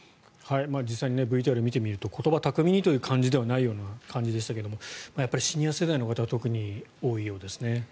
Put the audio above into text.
実際にＶＴＲを見てみると言葉巧みにという感じではない感じでしたがやっぱりシニア世代の方が特に多いようですね。